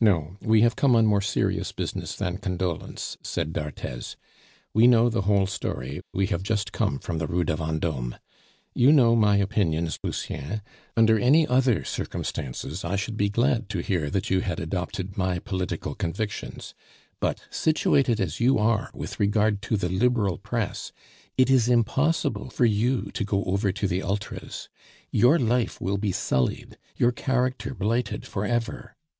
"No; we have come on more serious business than condolence," said d'Arthez; "we know the whole story, we have just come from the Rue de Vendome. You know my opinions, Lucien. Under any other circumstances I should be glad to hear that you had adopted my political convictions; but situated as you are with regard to the Liberal Press, it is impossible for you to go over to the Ultras. Your life will be sullied, your character blighted for ever.